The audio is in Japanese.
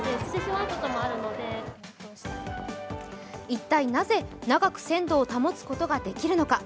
一体なぜ、長く鮮度を保つことができるのか。